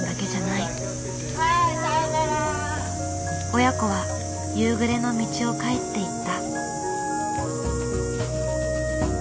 親子は夕暮れの道を帰っていった。